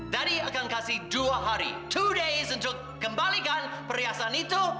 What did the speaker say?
jadi akan kasih dua hari dua hari untuk kembalikan perhiasan itu